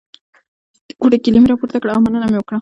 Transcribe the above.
د کوټې کیلي مې راپورته کړه او مننه مې وکړه.